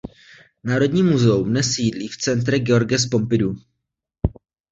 Národní muzeum dnes sídlí v Centre Georges Pompidou.